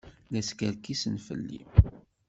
La skerkisen fell-i.